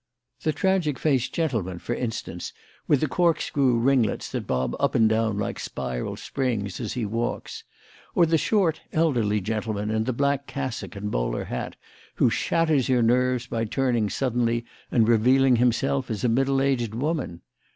The tragic faced gentleman, for instance, with the corkscrew ringlets that bob up and down like spiral springs as he walks? Or the short, elderly gentleman in the black cassock and bowler hat, who shatters your nerves by turning suddenly and revealing himself as a middle aged woman?